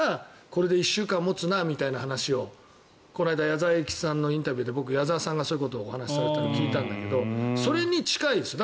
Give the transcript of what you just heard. これで１週間持つなみたいな話をこの間矢沢永吉さんのインタビューで矢沢さんがそういうことをお話しされているのを聞いたんだけどそれに近いです。